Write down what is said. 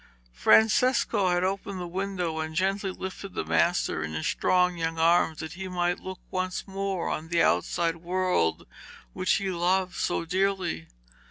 Francesco had opened the window and gently lifted the master in his strong young arms, that he might look once more on the outside world which he loved so dearly.